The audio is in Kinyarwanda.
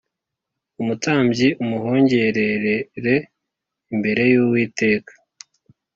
umutambyi amuhongererere imbere y ‘Uwiteka .